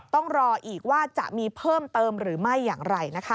ต้องรออีกว่าจะมีเพิ่มเติมหรือไม่อย่างไรนะคะ